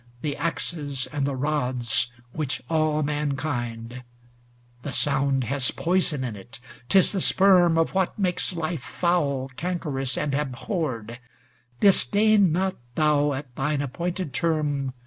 The axes and the rods which awe man kind; The sound has poison in it, 't is the sperm Of what makes life foul, cankerous, and abhorred; Disdain not thou, at thine appointed term.